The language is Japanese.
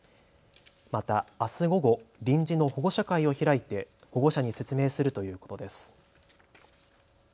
また、あす午後、臨時の保護者会を開いて保護者に説明するということです。